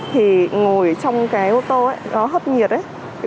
thì ngồi trong cái ô tô ấy nó hấp nhiệt đấy